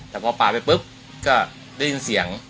แต่พอปาดไปปุ๊บก็ได้ยินเสียง